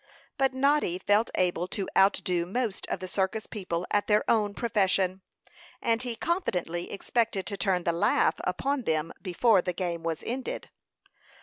But Noddy felt able to outdo most of the circus people at their own profession, and he confidently expected to turn the laugh upon them before the game was ended.